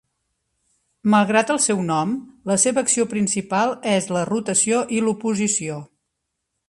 Malgrat el seu nom, la seva acció principal és la rotació i l'oposició.